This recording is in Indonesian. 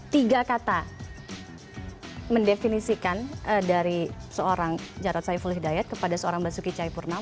tiga kata mendefinisikan dari seorang jarod saiful hidayat kepada seorang basuki cahayapurnama